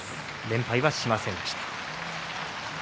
連敗はしませんでした、御嶽海。